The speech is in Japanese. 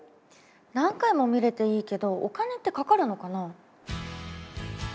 何回も見れていいけどお金ってかかるのかな？